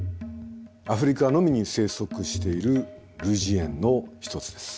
アフリカのみに生息している類人猿の一つです。